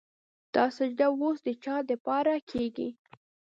دا سجده وس د چا دپاره کيږي